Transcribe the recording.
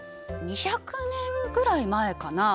２００年ぐらい前かな。